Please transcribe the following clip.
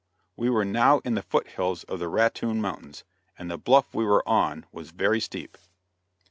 We were now in the foot hills of the Rattoon Mountains, and the bluff we were on was very steep.